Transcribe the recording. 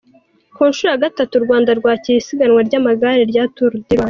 Ku nshuro ya gatatu u Rwanda rwakiriye isiganwa ry’amagare rya Tour du Rwanda.